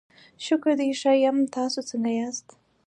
شکر دی، ښه یم، تاسو څنګه یاست؟